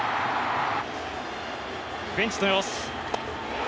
ベンチの様子。